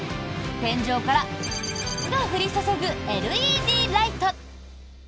天井から○○が降り注ぐＬＥＤライト。